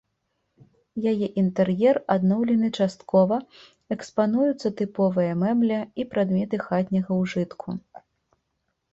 Яе інтэр'ер адноўлены часткова, экспануюцца тыповая мэбля і прадметы хатняга ўжытку.